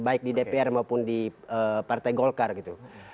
baik di dpr maupun di partai golkar gitu